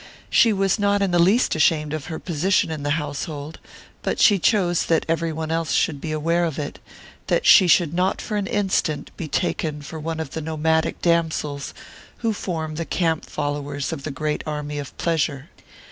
She was not in the least ashamed of her position in the household, but she chose that every one else should be aware of it, that she should not for an instant be taken for one of the nomadic damsels who form the camp followers of the great army of pleasure.